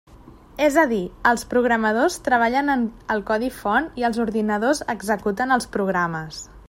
És a dir, els programadors treballen el codi font i els ordinadors executen els programes.